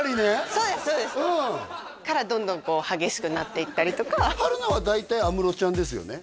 そうですそうですからどんどんこう激しくなっていったりとか春菜は大体安室ちゃんですよね？